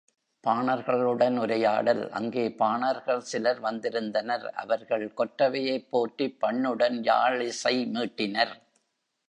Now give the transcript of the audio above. பாணர்களுடன் உரையாடல் அங்கே பாணர்கள் சிலர் வந்திருந்தனர் அவர்கள் கொற்றவையைப் போற்றிப் பண்ணுடன் யாழ்இசை மீட்டினர்.